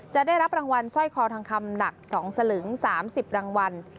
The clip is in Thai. จะได้รับรางวัลสร้อยคอทองคำหนัก๒สลึง๓๐รางวัล